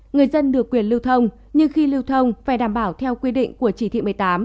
người dân được quyền lưu thông nhưng khi lưu thông phải đảm bảo theo quy định của chỉ thị một mươi tám